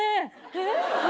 えっ？